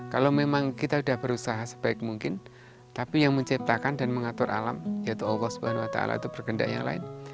kalau memang kita sudah berusaha sebaik mungkin tapi yang menciptakan dan mengatur alam yaitu allah swt itu berkendak yang lain